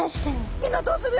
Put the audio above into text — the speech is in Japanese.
「みんなどうする？」。